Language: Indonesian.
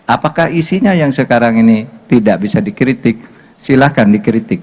apakah isinya yang sekarang ini tidak bisa dikritik silahkan dikritik